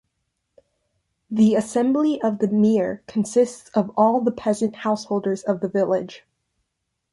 The assembly of the mir consists of all the peasant householders of the village.